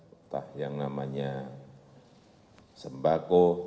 entah yang namanya sembako